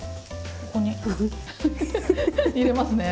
ここにフフフ入れますね。